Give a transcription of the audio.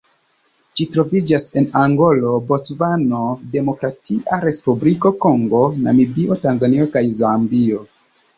Ĝi troviĝas en Angolo, Bocvano, Demokratia Respubliko Kongo, Namibio, Tanzanio kaj Zambio.